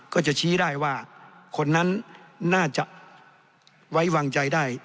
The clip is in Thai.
ก็จะชี้ได้ว่าคนนั้นน่าจะไว้วางใจได้